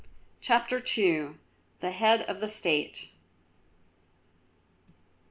CHAPTER II. THE HEAD OF THE STATE.